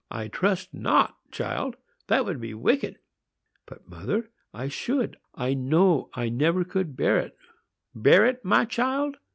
"I trust not, child,—that would be wicked." "But, mother, I should; I know I never could bear it." "Bear it, my child?"